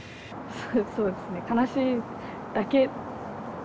そうですね悲しいだけでもない。